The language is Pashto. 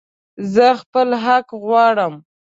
زه خپل حق غواړم